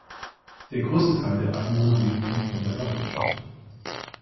Der größte Teil der Einwohner lebten von der Landwirtschaft.